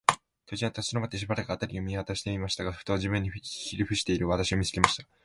巨人は立ちどまって、しばらく、あたりを見まわしていましたが、ふと、地面にひれふしている私を、見つけました。